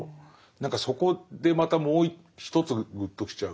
何かそこでまたもう一つぐっときちゃう。